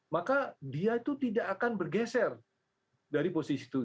maka dia itu tidak akan bergeser dari posisi itu